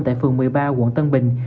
tại phường một mươi ba quận tân bình